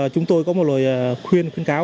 chúng tôi có một lời khuyên khuyên cáo